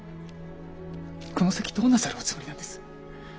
この先どうなさるおつもりなんです？